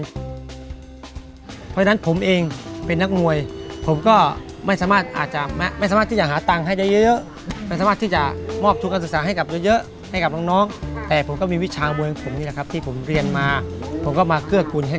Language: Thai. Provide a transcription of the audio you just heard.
เพราะฉะนั้นผมเองเป็นนักมวยผมก็ไม่สามารถที่จะหาตังค์ให้เยอะ